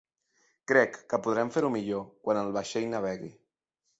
Crec que podrem fer-ho millor quan el vaixell navegui.